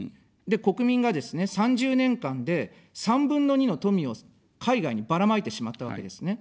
で、国民がですね、３０年間で３分の２の富を海外にばらまいてしまったわけですね。